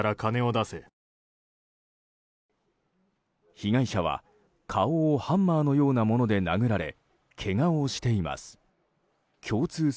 被害者は、顔をハンマーのようなもので殴られけがをしています。